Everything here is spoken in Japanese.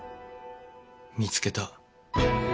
見つけた。